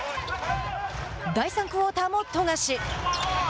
第３クオーターも富樫。